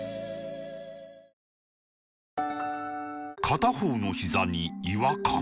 片方のひざに違和感